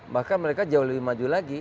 bahkan mereka jauh lebih maju lagi